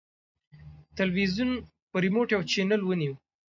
تلویزیون په ریموټ یو چینل ونیو.